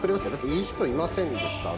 いい人いませんでした？